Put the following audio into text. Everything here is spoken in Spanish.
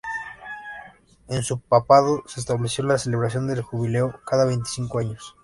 En su papado se estableció la celebración del jubileo cada veinticinco años.